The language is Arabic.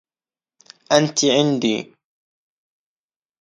أنتِ عندي